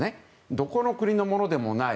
どこの国のものでもない。